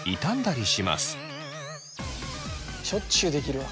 しょっちゅう出来るわ。